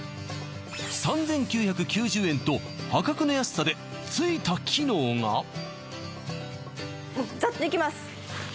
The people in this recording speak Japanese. ３９９０円と破格の安さでついた機能がざっといきます